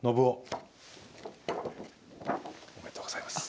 おめでとうございます。